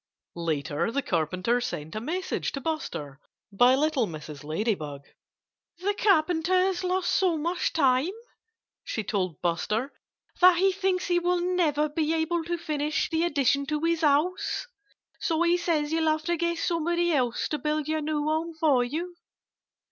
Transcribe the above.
Later the Carpenter sent a message to Buster, by little Mrs. Ladybug. "The Carpenter has lost so much time," she told Buster, "that he thinks he will never be able to finish the addition to his house. So he says you'll have to get somebody else to build your new home for you."